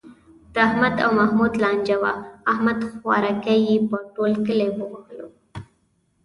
د احمد او محمود لانجه وه، احمد خوارکی یې په ټول کلي و وهلو.